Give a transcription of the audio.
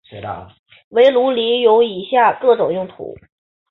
围炉里有以下各种用途。